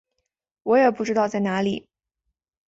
我也不知道在哪里